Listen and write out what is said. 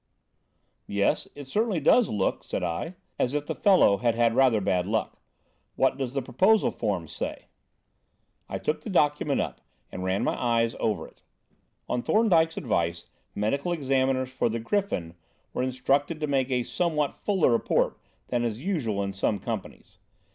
"Yes, it certainly does look," said I, "as if the fellow had had rather bad luck. What does the proposal form say?" I took the document up and ran my eyes over it. On Thorndyke's advice, medical examiners for the Griffin were instructed to make a somewhat fuller report than is usual in some companies.